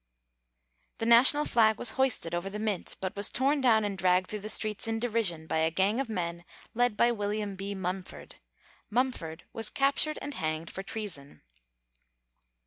The national flag was hoisted over the mint, but was torn down and dragged through the streets in derision by a gang of men led by William B. Mumford. Mumford was captured and hanged for treason.